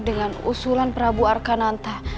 dengan usulan prabu arkananta